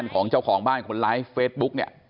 ของเจ้าของบ้านคนไลฟ์เฟซบุ๊กเนี่ย